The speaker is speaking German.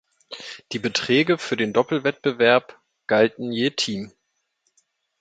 Die Beträge für den Doppelwettbewerb galten je Team.